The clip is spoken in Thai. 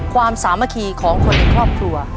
สามัคคีของคนในครอบครัว